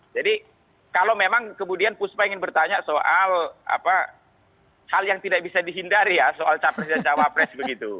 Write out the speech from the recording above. jadi kalau memang kemudian puspa ingin bertanya soal hal yang tidak bisa dihindari ya soal capres dan cawapres begitu